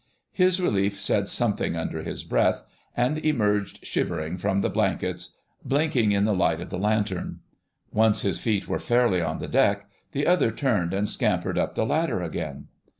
His relief said something under his breath, and emerged shivering from the blankets, blinking in the light of the lantern. Once his feet were fairly on the deck, the other turned and scampered up the ladder again.